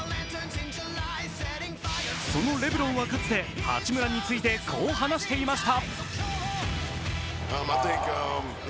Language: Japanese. そのレブロンはかつて八村についてこう話していました。